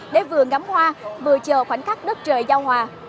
để vừa ngắm hoa vừa chờ khoảnh khắc đất trời giao hòa